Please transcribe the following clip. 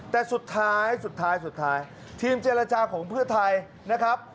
แต่สุดท้ายทีมเจรจาของเพื่อไทยนะครับ